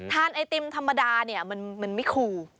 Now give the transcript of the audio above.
ไอติมธรรมดาเนี่ยมันไม่คู